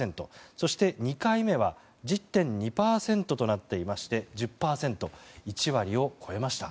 そして、２回目は１０．２％となっていまして１０％、１割を超えました。